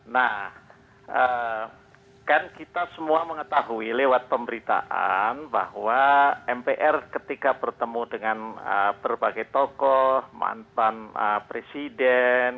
nah kan kita semua mengetahui lewat pemberitaan bahwa mpr ketika bertemu dengan berbagai tokoh mantan presiden